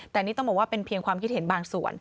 แต่นี่ต้องบอกว่าเป็นเพียงความคิดเห็นบางส่วน